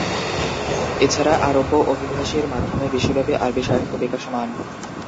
এছাড়া আরব্য অভিবাসীদের মাধ্যমে বিশ্বব্যাপী আরবি সাহিত্য বিকাশমান।